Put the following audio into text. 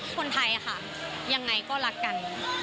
คนไทยค่ะยังไงก็รักกัน